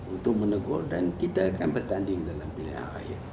untuk menegur dan kita akan bertanding dalam pilihan rakyat